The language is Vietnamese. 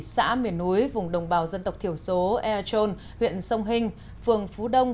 xã miền núi vùng đồng bào dân tộc thiểu số ea trôn huyện sông hình phường phú đông